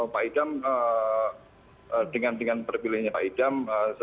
pak idam dengan dengan perpilihannya pak idam